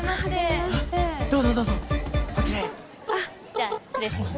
じゃあ失礼します。